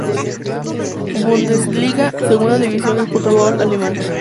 Bundesliga, Segunda División del fútbol alemán.